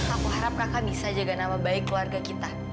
aku harap kakak bisa jaga nama baik keluarga kita